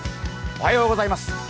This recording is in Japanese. おはようございます。